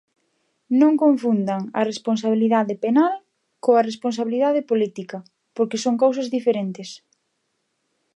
Non confundan a responsabilidade penal coa responsabilidade política, porque son cousas diferentes.